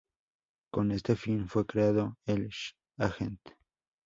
Con este fin fue creado el ssh-agent.